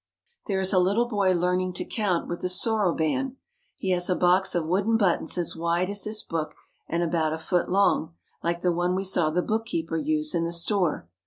There is a little boy learning to count with the soroban. He has a box of wooden buttons as wide as this book and about a foot long, like the one we saw the bookkeeper use in the store.